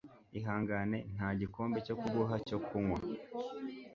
Ihangane nta gikombe cyo kuguha icyo kunywa